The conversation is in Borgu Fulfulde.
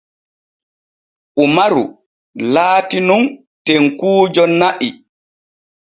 Umaru laati nun tenkuujo na'i.